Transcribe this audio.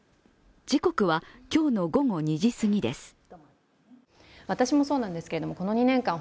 時刻は今日の午後２時すぎです。